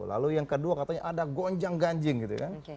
lalu yang kedua katanya ada gonjang ganjing gitu kan